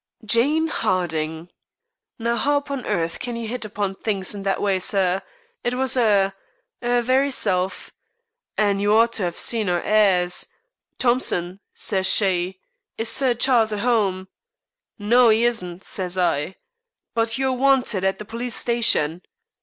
"Jane Harding." "Now, 'ow upon earth can you 'it upon things that way, sir? It was 'er, 'er very self. And you ought to 'ave seen her airs. 'Thompson,' sez she, 'is Sir Chawles at 'ome?' 'No, 'e isn't,' sez I; 'but you're wanted at the polis station.'